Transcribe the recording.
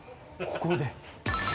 ここで。